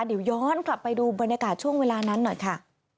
เดี๋ยวย้อนกลับไปดูบรรยากาศช่วงเวลานั้นหน่อยค่ะ